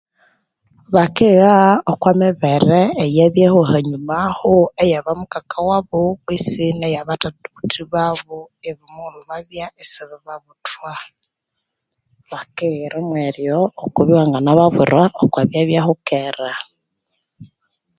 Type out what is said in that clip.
Bakigha okwa mibere eyabyaho ahanyumaho eya bamukaka wabo kwisi neya batha babuthi babo eh omughulhu babya isibibabuthwa bakighire mwero okwibya iwanganababwira okwa byabyahu kera